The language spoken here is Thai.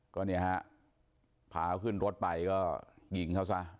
ก็เนี่ยฮะพาขึ้นรถไปก็ยิงเขาซะ